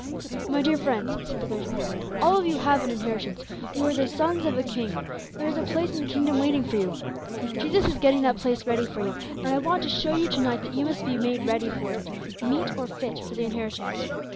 "My dear friends," said the clergyman, "all of you have an inheritance; you are the sons of a King; there is a place in the kingdom waiting for you. Jesus is getting that place ready for you, and I want to show you to night that you must be made ready for it, meet or fit for the inheritance.